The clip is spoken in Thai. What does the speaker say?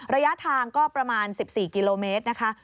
ระยะทางก็ประมาณ๑๔กิโลเมตรนะคะ